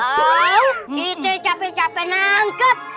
auu kita cape cape nangkep